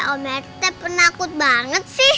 om rt penakut banget